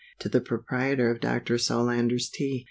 To the Proprietor of Dr. Solander's TEA.